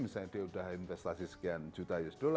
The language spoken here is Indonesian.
misalnya dia sudah investasi sekian juta usd